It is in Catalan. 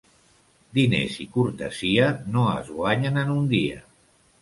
Diners i cortesia no es guanyen en un dia.